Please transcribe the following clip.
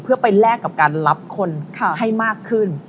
เพื่อไปแลกกับการรับคนให้มากขึ้น